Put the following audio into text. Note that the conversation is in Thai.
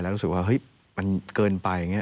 แล้วรู้สึกว่ามันเกินไป